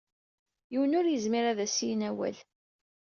Yiwen ur izmir ad as-yini awal.